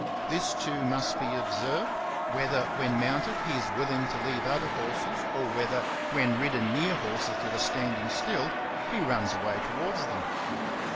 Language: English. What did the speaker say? This, too, must be observed, — whether, when mounted, he is willing to leave other horses, or whether, when ridden near horses that are standing still, he runs away towards them.